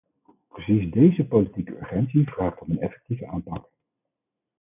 Precies deze politieke urgentie vraagt om een effectieve aanpak.